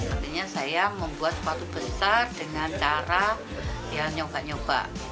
akhirnya saya membuat sepatu besar dengan cara nyoba nyoba